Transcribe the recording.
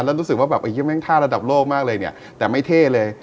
แล้วรู้สึกว่าแบบแม่งคิดว่าคะของท่ารัดับโลกมากเลยเนี่ยแต่ไม่เท่เลย